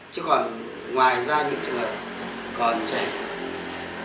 chứ còn ngoài ra những trường hợp còn trẻ thì ở đây hết